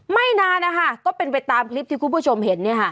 ไม่นานนะคะก็เป็นไปตามคลิปที่คุณผู้ชมเห็น